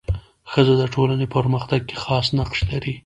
ښځه د ټولني په پرمختګ کي خاص نقش لري.